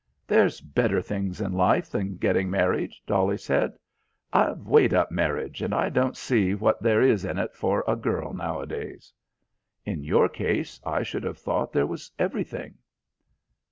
"There's better things in life than getting married," Dolly said. "I've weighed up marriage, and I don't see what there is in it for a girl nowadays." "In your case, I should have thought there was everything."